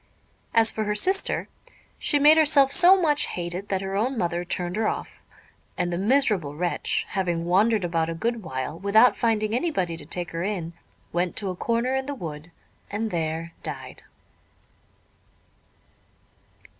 As for her sister, she made herself so much hated that her own mother turned her off; and the miserable wretch, having wandered about a good while without finding anybody to take her in, went to a corner in the wood and there died.